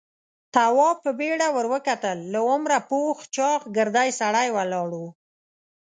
تواب په بيړه ور وکتل. له عمره پوخ چاغ، ګردی سړی ولاړ و.